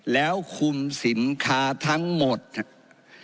แล้วคุมสินค้าทั้งหมดนะครับ